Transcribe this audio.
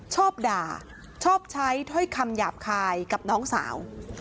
ชอบด่าชอบใช้ถ้อยคำหยาบคายกับน้องสาว